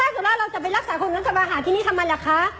ถ้าเกิดว่าเราจะไปรักษาคนแล้วจะมาหาทีนี้ทำไมล่ะคะ